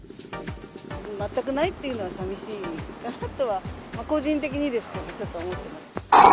全くないというのはさみしいかなとは、個人的にですけど、ちょっと思ってます。